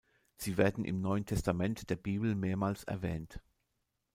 Sie werden im Neuen Testament der Bibel mehrmals erwähnt.